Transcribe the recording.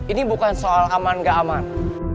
ini bukan soal aman nggak aman